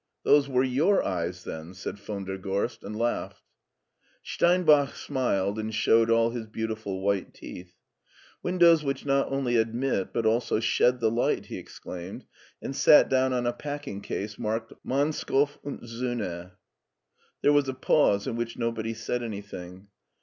" Those were your eyes, then," said von der Gorst and laughed. Steinbach smiled and showed all his beautiful white teeth. '* Windows which not only admit but also shed the light t " he exclaimed, and sat down on a packing case marked " Manskoff & Sohne." There was a pause in which nobody said anything.